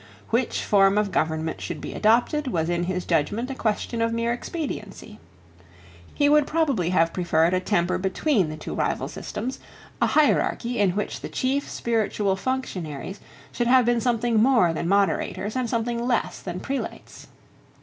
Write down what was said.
Which form of government should be adopted was in his judgment a question of mere expediency. He would probably have preferred a temper between the two rival systems, a hierarchy in which the chief spiritual functionaries should have been something more than moderators and something less than prelates.